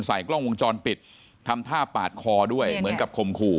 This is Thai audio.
กล้องวงจรปิดทำท่าปาดคอด้วยเหมือนกับคมขู่